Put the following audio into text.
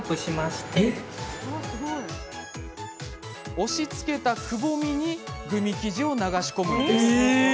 押しつけたくぼみにグミ生地を流し込みます。